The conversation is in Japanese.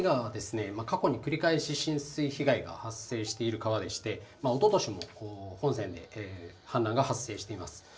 最上川は過去に繰り返し浸水被害が発生している川でしておととしも本線で氾濫が発生しています。